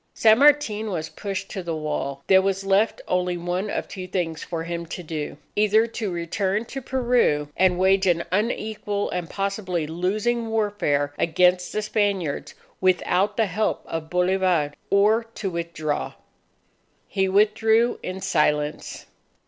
San Martin was pushed to the wall. There was left only one of two things for him to do either to return to Peru and wage an unequal and possibly losing warfare against the Spaniards without the help of Bolivar, or to withdraw. He withdrew in silence.